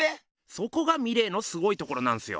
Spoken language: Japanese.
そこがミレーのすごいところなんすよ。